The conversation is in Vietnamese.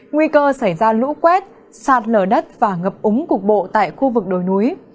nguy cơ xảy ra lũ quét sạt lở đất và ngập úng cục bộ tại khu vực đồi núi